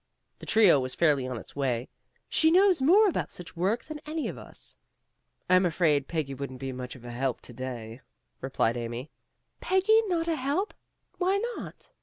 The trio was fairly on its way. "She knows more about such work than any of us." "I'm afraid Peggy wouldn't be much of a help to day," replied Amy. "Peggy not a help? Why not?